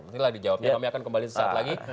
nanti lah dijawabin kami akan kembali sesaat lagi